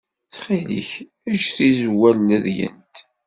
Ttxil-k, ejj tizewwa ledyent.